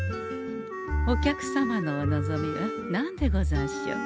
お客様のお望みは何でござんしょう？